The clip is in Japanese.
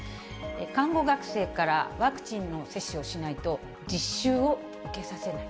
看護学生から、ワクチンの接種をしないと実習を受けさせない。